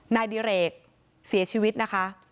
นายดิเรกเสียชีวิตนะคะ